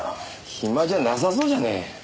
暇じゃなさそうじゃない。